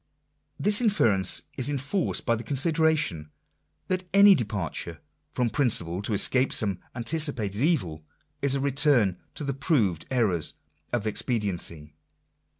This inference is enforced by the consideration, that any departure from prin ciple to escape some anticipated evil, is a return to the proved errors of expediency.